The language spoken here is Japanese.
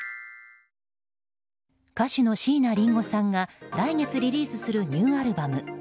歌手の椎名林檎さんが来月リリースするニューアルバム。